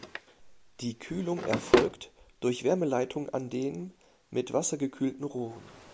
Die Kühlung erfolgt durch Wärmeleitung an den mit Wasser gekühlten Rohren.